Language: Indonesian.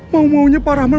mau maunya pak rahman